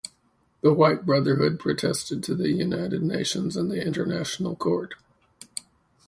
The White Brotherhood protested to the United Nations and the International Court.